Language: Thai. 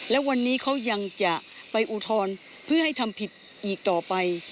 และวันนี้เขายังจะไปอุทธรณ์เพื่อให้ทำผิดอีกต่อไป